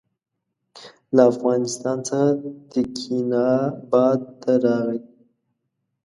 له افغانستان څخه تکیناباد ته راغی.